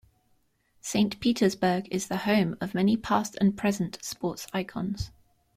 Saint Petersburg is the home of many past and present sports icons.